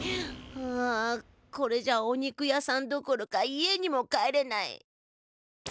はあこれじゃお肉屋さんどころか家にも帰れない。